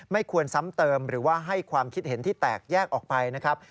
ไม่ควรซ้ำเติมหรือว่าให้ความคิดเห็นที่แตกแยกออกไปนะครับ